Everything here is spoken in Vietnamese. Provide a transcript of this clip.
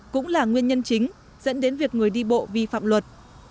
cũng là nguyên nhân chính dẫn đến việc người đi bộ vi phạm luật